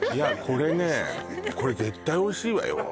これねこれ絶対おいしいわよ